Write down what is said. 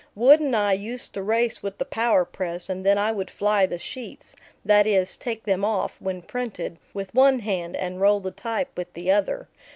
Wood and I used to race with the power press, and then I would fly the sheets, that is, take them off, when printed, with one hand and roll the type with the other.